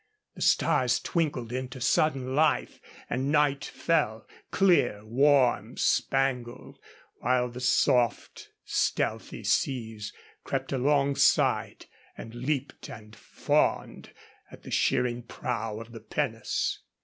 The stars twinkled into sudden life, and night fell, clear, warm, spangled, while the soft, stealthy seas crept alongside and leaped and fawned at the shearing prow of the pinnace.